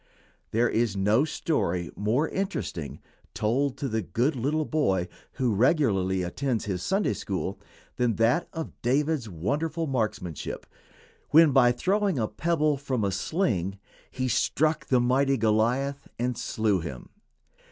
There is no story more interesting, told to the good little boy who regularly attends his Sunday school, than that of David's wonderful marksmanship when, by throwing a pebble from a sling, he struck the mighty Goliath and slew him.